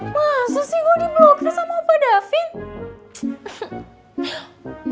masa sih gue di blokin sama opa davin